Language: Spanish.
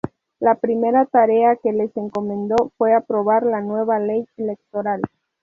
La primera tarea que les encomendó fue aprobar la nueva ley electoral.